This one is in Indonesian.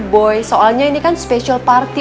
boy soalnya ini kan special party